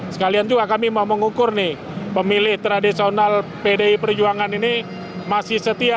sekalian juga kami mau mengukur nih pemilih tradisional pdi perjuangan ini masih setia